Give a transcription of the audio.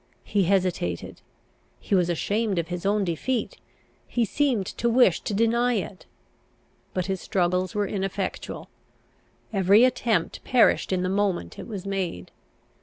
He hesitated; he was ashamed of his own defeat; he seemed to wish to deny it. But his struggles were ineffectual; every attempt perished in the moment it was made.